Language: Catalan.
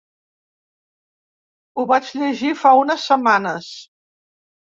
Ho vaig llegir fa unes setmanes.